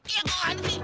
iya kok aneh sih